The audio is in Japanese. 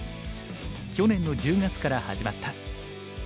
去年の１０月から始まった。